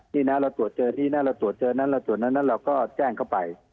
นี่นะเราตรวจเจอนี่นะเราตรวจเจอนั้นเราตรวจนั้นเราก็แจ้งเข้าไป